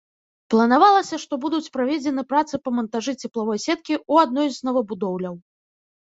Планавалася, што будуць праведзены працы па мантажы цеплавой сеткі ў адной з новабудоўляў.